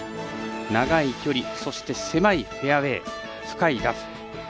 長い距離そして狭いフェアウエー深いラフ。